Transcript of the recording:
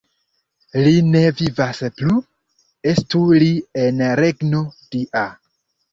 Li ne vivas plu, estu li en regno Dia!